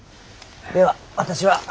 では私は。